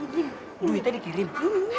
duit duit duit duitnya dikirim